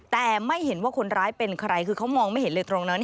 แต่ไม่เห็นว่าคนร้ายเป็นใครคือเขามองไม่เห็นเลยตรงนั้น